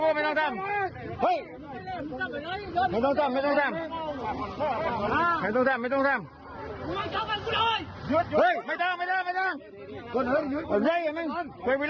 เวลาอย่างทำเมิวอะไรก็ตามเวลามันเยอะกว่าเดียว